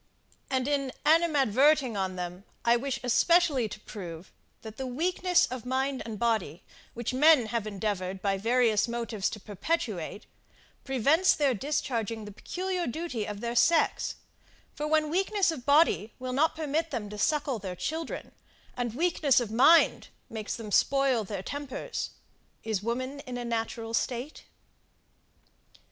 And in animadverting on them, I wish especially to prove, that the weakness of mind and body, which men have endeavoured by various motives to perpetuate, prevents their discharging the peculiar duty of their sex: for when weakness of body will not permit them to suckle their children, and weakness of mind makes them spoil their tempers is woman in a natural state?